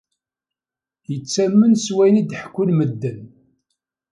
Yettamen s wayen i d-ḥekkun medden.